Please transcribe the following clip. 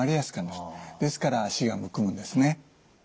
ですから脚がむくむんですね。